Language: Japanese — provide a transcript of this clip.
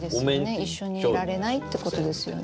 一緒にいられないってことですよね。